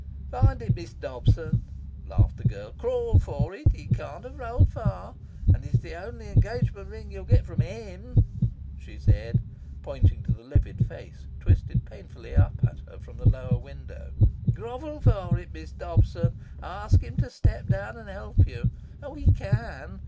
"Find it, Miss Dobson," laughed the girl. "Crawl for it. It can't have rolled far, and it's the only engagement ring you'll get from HIM," she said, pointing to the livid face twisted painfully up at her from the lower window. "Grovel for it, Miss Dobson. Ask him to step down and help you. Oh, he can!